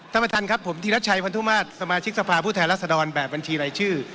ท่านประธานครับผมธีรัชชัยพันธุมาตรสมาชิกสภาพผู้แทนรัศดรแบบบัญชีรายชื่อ